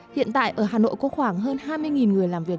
hiện tại ở hà nội có khoảng hơn hai mươi người làm việc